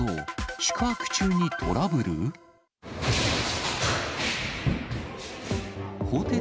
宿泊中にトラブル？